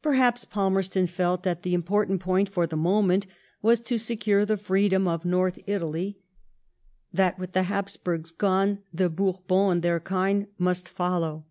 Per* haps Falmerston felt that the important point for the moment was to secure the freedom of North Italy, that with the Hapsburgs gone, the Bourbons and their kind must follow.